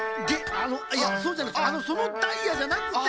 あのいやそうじゃなくていやそのダイヤじゃなくて。